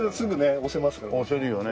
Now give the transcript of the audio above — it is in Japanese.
押せるよね。